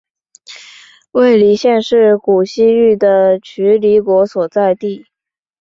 尉犁县是古西域的渠犁国所在地。